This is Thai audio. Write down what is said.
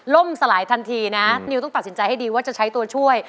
สลายทันทีนะนิวต้องตัดสินใจให้ดีว่าจะใช้ตัวช่วย